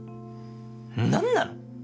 何なの？